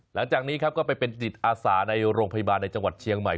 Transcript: หลังจากนี้ครับก็ไปเป็นจิตอาสาในโรงพยาบาลในจังหวัดเชียงใหม่